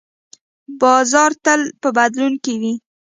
بازار تل په بدلون کې وي.